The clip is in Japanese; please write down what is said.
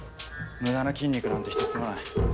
無駄な筋肉なんてひとつもない。